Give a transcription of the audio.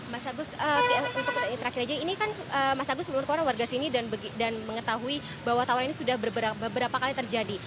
mas agus untuk terakhir aja ini kan mas agus menurut orang warga sini dan mengetahui bahwa tawaran ini sudah beberapa kali terjadi